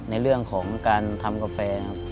ในเรื่องของการทำกาแฟครับ